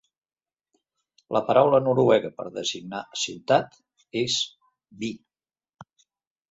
La paraula noruega per designar "ciutat" és "by".